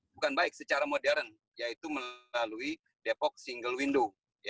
bukan baik secara modern yaitu melalui depok single window